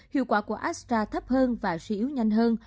hiệu quả của astra thấp hơn và suy yếu nhanh hơn